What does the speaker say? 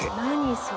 それ。